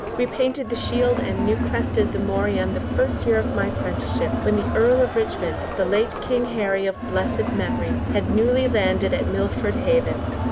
We painted the shield and new crested the morion the first year of my prenticeship, when the Earl of Richmond, the late King Harry of blessed memory, had newly landed at Milford Haven."